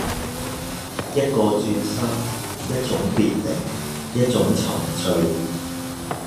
一個轉身，一種別離，一種沉醉